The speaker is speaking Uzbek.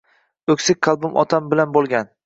O‘ksik qalbim otam bilan o’tgan.